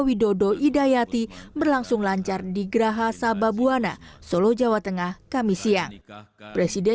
widodo idayati berlangsung lancar di geraha sababwana solo jawa tengah kami siang presiden